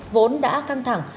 vốn đã căng thẳng